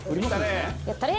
やったれ！